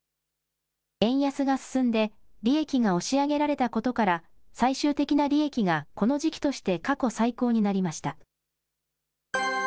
円安が進んで利益が押し上げられたことから最終的な利益がこの時期として過去最高になりました。